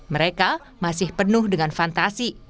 mereka masih penuh dengan fantasi